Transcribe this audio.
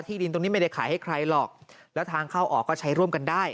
ดินตรงนี้ไม่ได้ขายให้ใครหรอกแล้วทางเข้าออกก็ใช้ร่วมกันได้